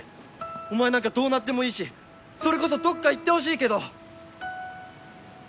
お前なんかどうなってもいいしそれこそどっか行ってほしいけど。